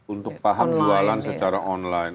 untuk paham jualan secara online